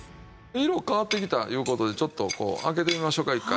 色変わってきたいう事でちょっとこう開けてみましょうか一回。